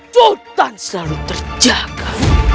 sultan selalu terjaga